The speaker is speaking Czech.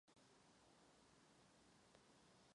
Toto tvrzení je pak možné dokazovat dvěma způsoby.